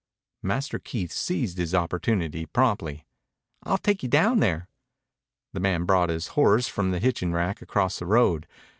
Master Keith seized his opportunity promptly. "I'll take you down there." The man brought his horse from the hitching rack across the road.